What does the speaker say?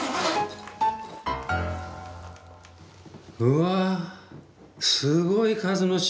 うわすごい数の塩！